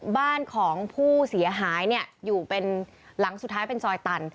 บ้านของผู้เสียหายเนี่ยอยู่เป็นหลังสุดท้ายเป็นซอยตัน